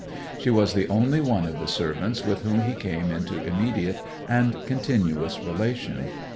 She was the only one of the servants with whom he came into immediate and continuous relation.